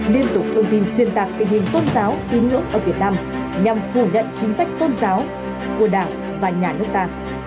liên tục thông tin xuyên tạc tình hình tôn giáo tín ngưỡng ở việt nam nhằm phủ nhận chính sách tôn giáo của đảng và nhà nước ta